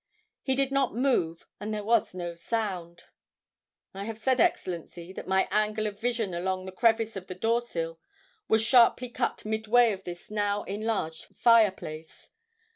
He did not move, and there was no sound. "I have said, Excellency, that my angle of vision along the crevice of the doorsill was sharply cut midway of this now enlarged fireplace.